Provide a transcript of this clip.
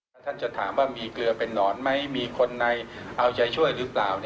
แล้วท่านจะถามว่ามีเกลือเป็นนอนไหมมีคนในเอาใจช่วยหรือเปล่า